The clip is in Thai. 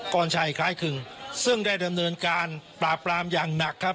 กรชัยคล้ายครึ่งซึ่งได้ดำเนินการปราบปรามอย่างหนักครับ